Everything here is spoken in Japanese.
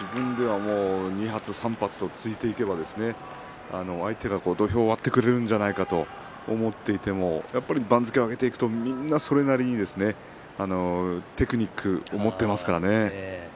２発３発と突いていけば相手が土俵を割っていくんじゃないかと思っていても番付を上げてくるとそれなりにみんなテクニックを持っていますからね。